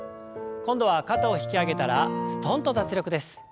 今度は肩を引き上げたらすとんと脱力です。